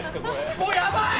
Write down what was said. もうやばい！